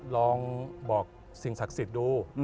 ลองบอกสิ่งศักดิ์สิทธิ์ดู